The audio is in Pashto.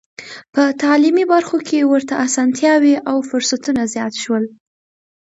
په تعلیمي برخو کې ورته اسانتیاوې او فرصتونه زیات شول.